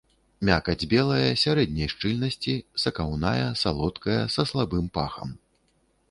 Мякаць белая, сярэдняй шчыльнасці, сакаўная, салодкая, са слабым пахам.